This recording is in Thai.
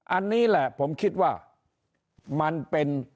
อันนี้แหละผมคิดว่ามันเป็น